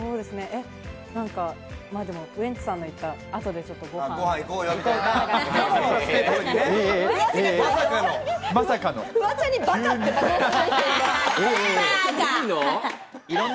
ウエンツさんの言った、あとでちょっとご飯、みたいな。